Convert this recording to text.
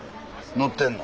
乗ってんの？